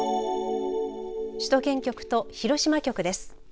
首都圏局と広島局です。